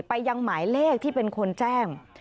ยังหมายเลขที่เป็นคนแจ้ง